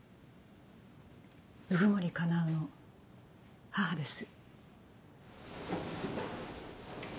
鵜久森叶の母です。